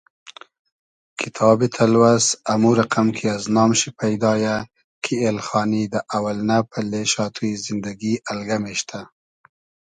کیتابی تئلوئس امو رئقئم کی از نام شی پݷدا یۂ کی ایلخانی دۂ اۆئلنۂ پئلې شاتوی زیندئگی الگئم اېشتۂ